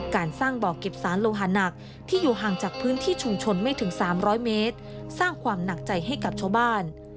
การสร้างบ่อเก็บสารโลหานักที่อยู่ห่างจากพื้นที่ชุมชนไม่ถึง๓๐๐เมตรสร้างความหนักใจให้กับชาวบ้าน